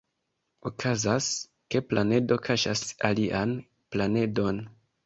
Okazas, ke planedo kaŝas alian planedon.